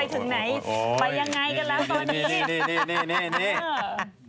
ยังไงดีคะตอนนี้ไปถึงไหนไปยังไงกันแล้วตอนนี้นี่นี่นี่